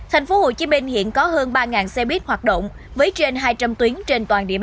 tp hcm hiện có hơn ba xe buýt hoạt động với trên hai trăm linh tuyến trên toàn địa bàn